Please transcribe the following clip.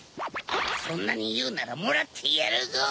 そんなにいうならもらってやるぞ。